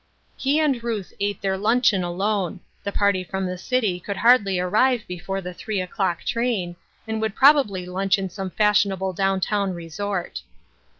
He and Ruth ate their luncheon alone ; the party from the city could hardly arrive before the three o'clock train, and would probably lunch in some fashionable down town resort.